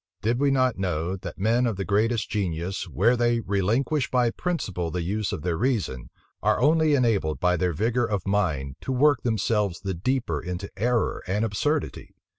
did we not know, that men of the greatest genius, where they relinquish by principle the use of their reason, are only enabled, by their vigor of mind, to work themselves the deeper into error and absurdity.